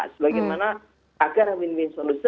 sebagaimana agar minumis